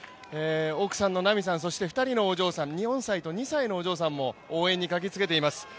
奥さんの奈美さんそして２人のお嬢さん、４歳と２歳のお嬢さんも今、応援に駆けつけています。